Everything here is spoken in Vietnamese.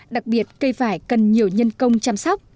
đặc biệt cây vải cần nhiều nhân công chăm sóc